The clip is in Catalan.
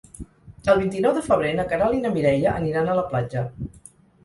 El vint-i-nou de febrer na Queralt i na Mireia aniran a la platja.